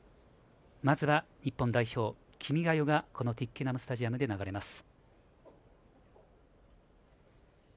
まずは日本代表「君が代」がこのトゥイッケナムスタジアムに流れます。